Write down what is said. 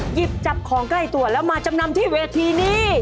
หยิบจับของใกล้ตัวแล้วมาจำนำที่เวทีนี้